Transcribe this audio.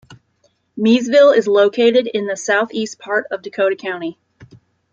Miesville is located in the southeast part of Dakota County.